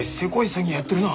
詐欺やってるな。